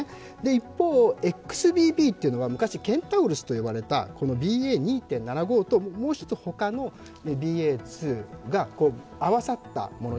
一方、ＸＢＢというのは昔ケンタウロスと呼ばれたこのＢＡ．２．７５と、もう一つほかのＢＡ．２が合わさったもの。